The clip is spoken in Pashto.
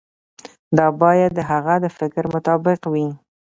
دا باید د هغه د فکر مطابق وي.